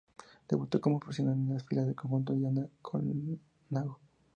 Debutó como profesional en las filas del conjunto Diana-Colnago.